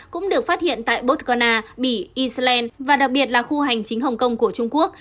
cũng được phát hiện tại bothana bỉ iceland và đặc biệt là khu hành chính hồng kông của trung quốc